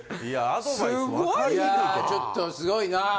いやちょっとすごいな。